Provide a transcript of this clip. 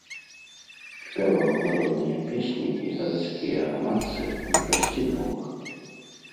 Спяваў народныя песні і гарадскія рамансы на шасці мовах.